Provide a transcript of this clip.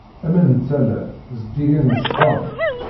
Aman n tala zeddigen yeṣfan.